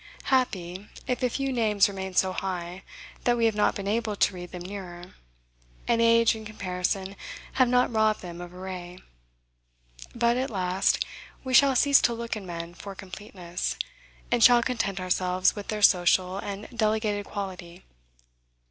Happy, if a few names remain so high, that we have not been able to read them nearer, and age and comparison have not robbed them of a ray. But, at last, we shall cease to look in men for completeness, and shall content ourselves with their social and delegated quality.